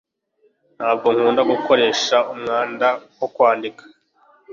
Ntabwo akunda gukoresha umwanda wo kwandika.